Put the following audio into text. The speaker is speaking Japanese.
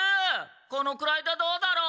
このくらいでどうだろう？